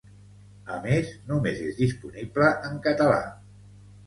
A més, només és disponible en català